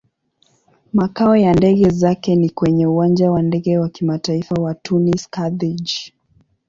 Makao ya ndege zake ni kwenye Uwanja wa Ndege wa Kimataifa wa Tunis-Carthage.